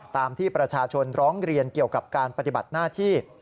ตามที่ประชาชนร้องเรียนเกี่ยวกับการปฏิบัติหน้าที่